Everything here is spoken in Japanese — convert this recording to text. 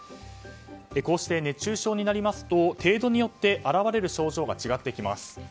こうして、熱中症になりますと程度によって表れる症状が違います。